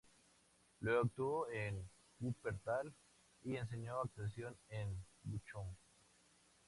Luego actuó en Wuppertal, y enseñó actuación en Bochum.